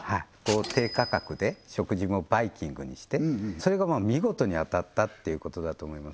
低価格で食事もバイキングにしてそれが見事に当たったっていうことだと思います